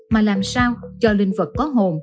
mà làm sao cho linh vật có hồn